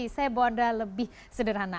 saya bawa anda lebih sederhana